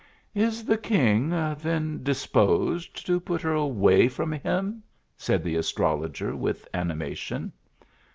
" Is the king then disposed to put her away from him ?said the astrologer with animation.